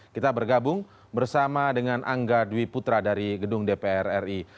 kita bergabung bersama dengan angga dwi putra dari gedung dpr ri